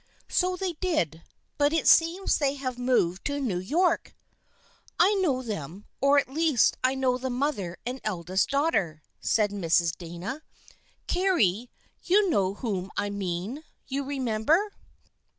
" So they did, but it seems they have moved to New York." " I know them, or at least I know the mother and eldest daughter," said Mrs. Dana. " Carry, you know whom I mean. You remember